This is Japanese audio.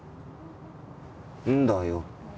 んだよ